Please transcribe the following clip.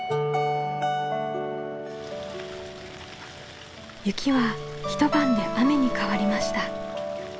雪は一晩で雨に変わりました。